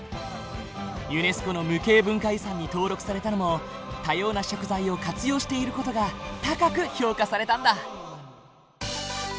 ユネスコの無形文化遺産に登録されたのも多様な食材を活用している事が高く評価されたんだ。